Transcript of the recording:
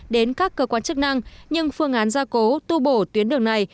đến các cơ quan chức năng nhưng phương án gia cố tu bổ tuyến đường này